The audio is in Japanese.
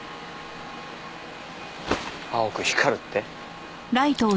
青く光るって？